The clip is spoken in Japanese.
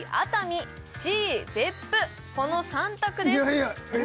この３択ですえ！？